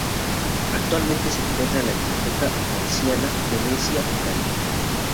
Actualmente se encuentra en la Biblioteca Marciana, Venecia, Italia.